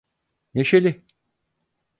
Neşeli